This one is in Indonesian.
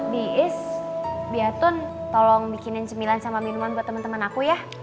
bias biatun tolong bikinin cemilan sama minuman buat temen temen aku ya